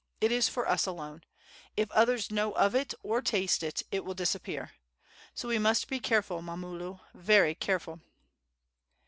It is for us alone. If others know of it or taste it, it will disappear. So we must be careful, Mamulu, very careful."